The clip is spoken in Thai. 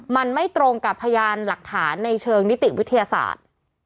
มันไม่ตรงกับพยานหลักฐานในเชิงนิติวิทยาศาสตร์